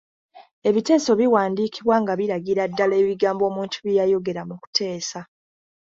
Ebiteeso biwandiikibwa nga biragira ddala ebigambo muntu bye yayogera mu kuteesa.